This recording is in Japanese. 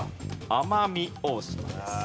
あま美大島です。